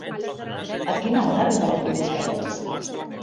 A quina hora arriba l'autobús de Les?